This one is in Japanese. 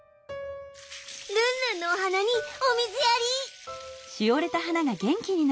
ルンルンのお花におみずやり！